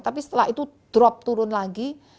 tapi setelah itu drop turun lagi